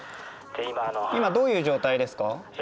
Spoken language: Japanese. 今どういう状態ですか？